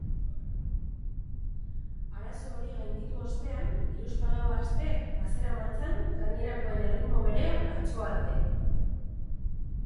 Arazo hori gainditu ostean, hiruzpalau aste bazeramatzan gainerakoen erritmo berean atzo arte.